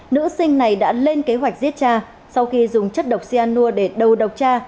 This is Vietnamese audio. nữ sinh này đã lên kế hoạch giết cha sau khi dùng chất độc xe ăn nua để đầu độc cha